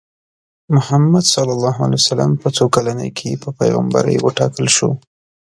محمد ص په څو کلنۍ کې په پیغمبرۍ وټاکل شو؟